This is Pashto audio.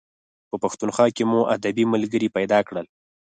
په پښتونخوا کې مو ادبي ملګري پیدا کړل.